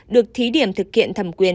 được thí điểm thực hiện thẩm quyền